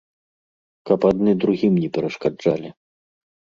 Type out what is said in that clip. Каб адны другім не перашкаджалі.